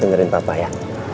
dengerin papa ya